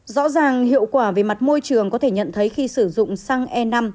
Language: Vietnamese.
rõ ràng hiệu quả về mặt môi trường có thể nhận thấy khi sử dụng xăng e năm